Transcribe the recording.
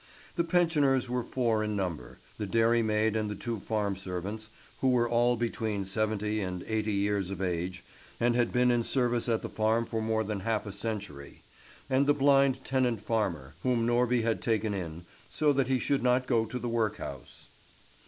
The pensioners were four in number, the dairymaid and the two farm servants, who were all between seventy and eighty years of age, and had been in service at the farm for more than half a century; and the blind tenant farmer, whom Norby had taken in, so that he should not go to the workhouse.